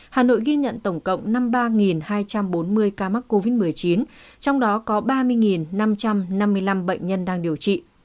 hà nội ghi nhận tổng cộng năm mươi ba hai trăm bốn mươi ca mắc covid một mươi chín trong đó có ba mươi năm trăm năm mươi năm bệnh nhân đang điều trị